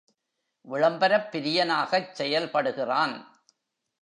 விளம்பரப் பிரியனாகச் செயல்படுகிறான்.